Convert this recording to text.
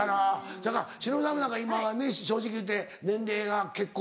せやから忍さんなんか今正直言うて年齢が結構。